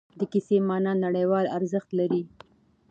د کیسې معنا نړیوال ارزښت لري.